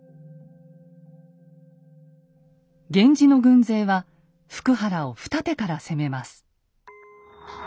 源氏の軍勢は福原を二手から攻めます。